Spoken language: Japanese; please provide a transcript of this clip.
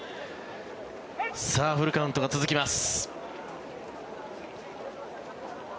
さあ、フルカウントが続きます。